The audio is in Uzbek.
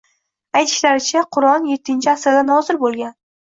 Aytishlaricha, Qur’on yettinchi asrda nozil bo‘lgan.